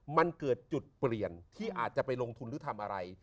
มันเกิดจุดเปลี่ยนที่อาจจะไปลงทุนหรือทำอะไร